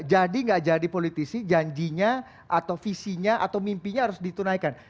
nggak jadi politisi janjinya atau visinya atau mimpinya harus ditunaikan